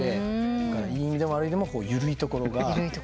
だからいい意味でも悪い意味でもゆるいところが。